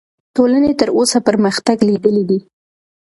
ټولنې تر اوسه پرمختګ لیدلی دی.